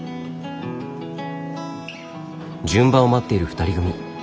順番を待っている２人組。